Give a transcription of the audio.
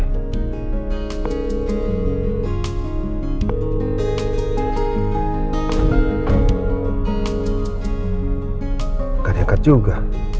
enggak diangkat juga